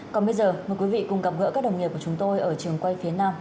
còn bây giờ mời quý vị cùng gặp gỡ các đồng nghiệp của chúng tôi ở trường quay phía nam